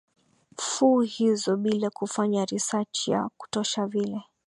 fu hizo bila kufanya research ya kutosha vile